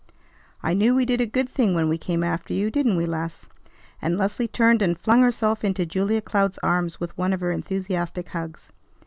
I knew we did a good thing when we came after you. Didn't we, Les?" And Leslie turned and flung herself into Julia Cloud's arms with one of her enthusiastic hugs.